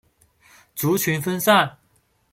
族群分散。